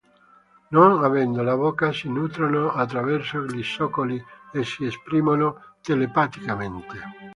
Non avendo la bocca si nutrono attraverso gli zoccoli e si esprimono telepaticamente.